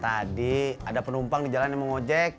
tadi ada penumpang di jalan emang ngocet